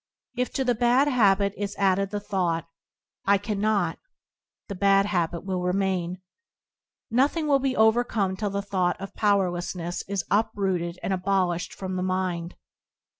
If to the bad habit is added the thought, "I can not/ 1 the bad habit will remain. Nothing can be overcome till the thought of power lessness is uprooted and abolished from the mind.